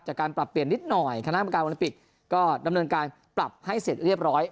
จากการปรับเปลี่ยนนิดหน่อยคณะกรรมการโอลิมปิกก็ดำเนินการปรับให้เสร็จเรียบร้อย